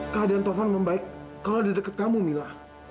keadaan tovan membaik kalau ada dekat kamu mila